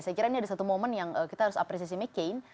saya kira ini ada satu momen yang kita harus apresiasi mccain